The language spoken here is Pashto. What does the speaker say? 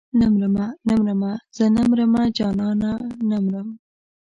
نه مرمه نه مرمه زه نه مرمه جانانه نه مرم.